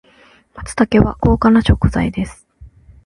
松茸は高価な食材です。